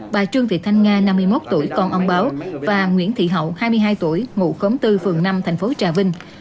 bà trương thị thanh nga năm mươi một tuổi còn ông báo và nguyễn thị hậu hai mươi hai tuổi ngụ khống bốn phường năm thành phố trà vinh